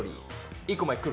１個前黒。